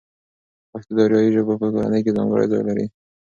پښتو د آریایي ژبو په کورنۍ کې ځانګړی ځای لري.